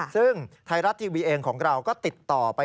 ซึ่งไทยรัฐทีวีเองของเราก็ติดต่อไป